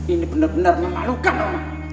ini bener bener memalukan roman